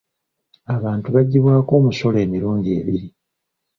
Abantu baggibwako omusolo emirundi ebiri.